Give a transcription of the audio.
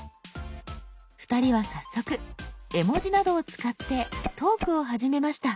２人は早速絵文字などを使ってトークを始めました。